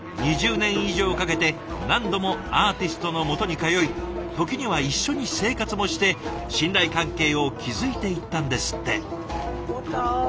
２０年以上かけて何度もアーティストのもとに通い時には一緒に生活もして信頼関係を築いていったんですって。